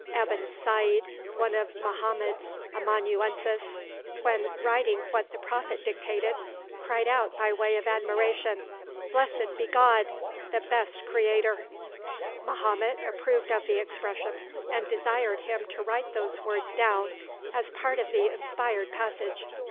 Ebn Saad, one of Mahomet's amanuenses, when writing what the prophet dictated, cried out by way of admiration "Blessed be God, the best Creator!" Mahomet approved of the expression, and desired him to write those words down as part of the inspired passage.